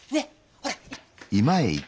ほら！